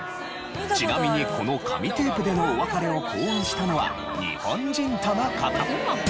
ちなみにこの紙テープでのお別れを考案したのは日本人との事。